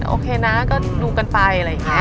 โอเคนะก็ดูกันไป